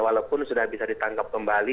walaupun sudah bisa ditangkap kembali